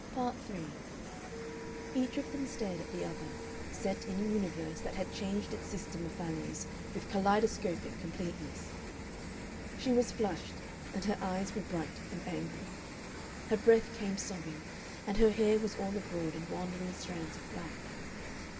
Part 3 Each of them stared at the other, set in a universe that had changed its system of values with kaleidoscopic completeness. She was flushed, and her eyes were bright and angry; her breath came sobbing, and her hair was all abroad in wandering strands of black.